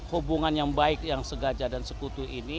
hubungan yang baik yang segajah dan sekutu ini